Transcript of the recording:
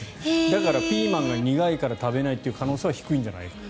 だからピーマンが苦いから食べないという可能性は低いんじゃないかと。